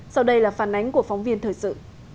sau đây là phản ánh của phóng viên thời sự